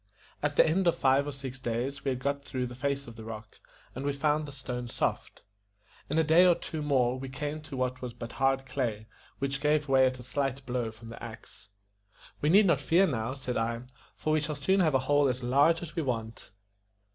At the end of five or six days we had got through the face of the rock, and we found the stone soft. In a day or two more we came to what was but hard clay, which gave way at a slight blow from the axe. "We need not fear now," said I, "for we shall soon have a hole as large as we want."